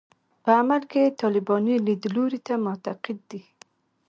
په عمل کې طالباني لیدلوري ته معتقد دي.